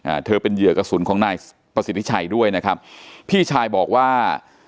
เธอเป็นเหยื่อกระสุนของนายประสิทธิชัยด้วยนะครับพี่ชายบอกว่า